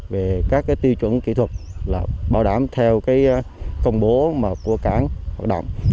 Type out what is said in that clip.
về các tiêu chuẩn kỹ thuật là bảo đảm theo công bố của cảng hoạt động